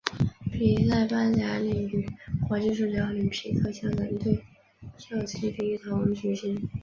比赛颁奖礼与国际数学奥林匹克香港队授旗礼一同举行。